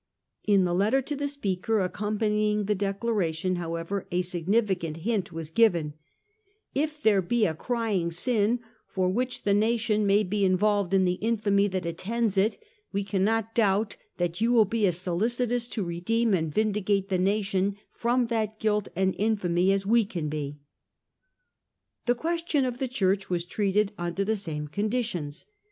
In the letter to the Speaker accompanying the Declaration, how ever, a significant hint was given, ( If there be a crying sin for which the nation may be involved in the infamy that attends it, we cannot doubt that you wilt be as 86 Restoration of Monarchy in England \ 1660. solicitous to redeem and vindicate the nation from that guilt and infamy as we can be.' The question of the Church was treated under the same conditions.